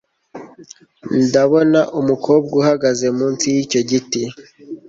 Ndabona umukobwa uhagaze munsi yicyo giti